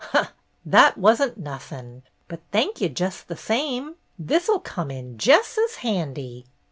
"Huh! That wasn't nuthin'. But thank you jes' the same. This 'll come in jes' as handy!"